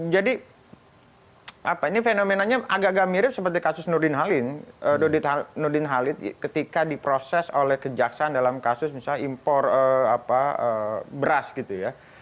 jadi ini fenomenanya agak agak mirip seperti kasus nurdin halid ketika diproses oleh kejaksaan dalam kasus misalnya impor beras gitu ya